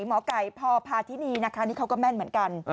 หมอไก่พพาธินีนะคะนี่เขาก็แม่นเหมือนกัน